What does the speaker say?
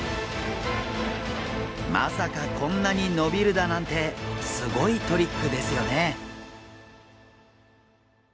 まさかこんなに伸びるだなんてすごいトリックですよね。